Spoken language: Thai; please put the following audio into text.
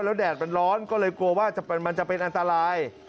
แล้วแดดมันร้อนก็เลยกลัวว่ามันจะเป็นอันตราย